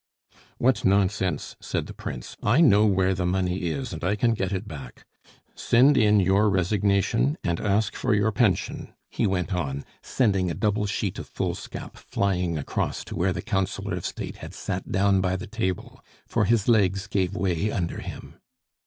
"What nonsense!" said the Prince. "I know where the money is, and I can get it back. Send in your resignation and ask for your pension!" he went on, sending a double sheet of foolscap flying across to where the Councillor of State had sat down by the table, for his legs gave way under him.